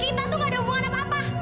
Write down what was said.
kita tuh gak ada hubungan apa apa